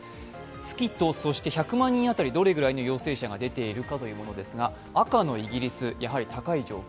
月と１００万に当たりどれくらいの陽性者が出ているかですが赤のイギリス、やはり高い状況。